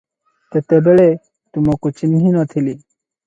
ତେତେବେଳେ ତୁମକୁ ଚିହ୍ନି ନ ଥିଲି ।